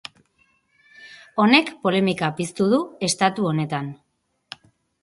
Honek polemika piztu du estatu honetan.